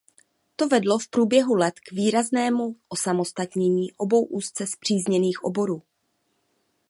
To vedlo v průběhu let k výraznému osamostatnění obou úzce spřízněných oborů.